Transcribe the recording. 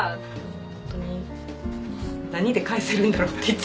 ホントに何で返せるんだろうっていつも思ってます。